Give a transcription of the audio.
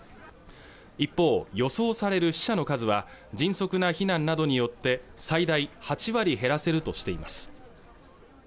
一方予想される死者の数は迅速な避難などによって最大８割減らせるとしています